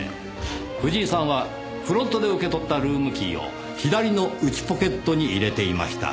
藤井さんはフロントで受け取ったルームキーを左の内ポケットに入れていました。